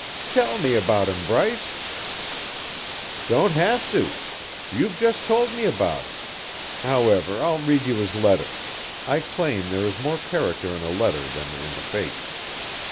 "Tell me about him, Bryce." "Don't have to. You've just told me about him, However, I'll read you his letter. I claim there is more character in a letter than in a face."